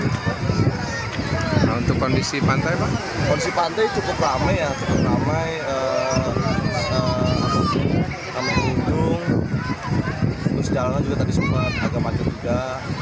untuk kondisi pantai cukup ramai kami kunjung terus jalan juga tadi sempat agak panjang juga